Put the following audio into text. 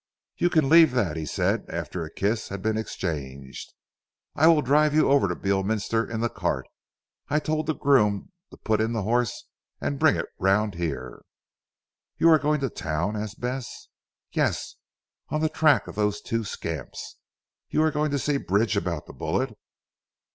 "You can leave that," he said after a kiss had been exchanged, "I will drive you over to Beorminster in the cart. I told the groom to put in the horse and bring it round here." "You are going to Town?" asked Bess. "Yes! On the track of those two scamps. You are going to see Bridge about that bullet?"